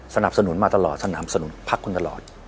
สนับสนุนมาตลอดสนับสนุนพักคุณตลอด